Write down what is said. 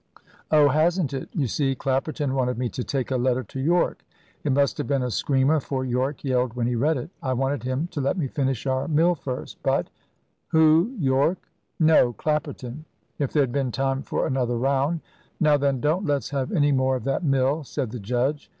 "Oh, hasn't it! You see, Clapperton wanted me to take a letter to Yorke. It must have been a screamer, for Yorke yelled when he read it. I wanted him to let me finish our mill first, but " "Who, Yorke?" "No, Clapperton. If there'd been time for another round " "Now, then, don't let's have any more of that mill," said the judge.